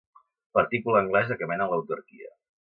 Partícula anglesa que mena a l'autarquia.